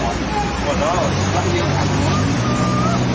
ขอบคุณครับขอบคุณครับ